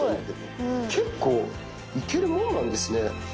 結構行けるもんなんですね。